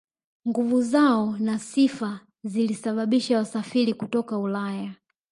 Nguvu zao na sifa zilisababisha wasafiri kutoka Ulaya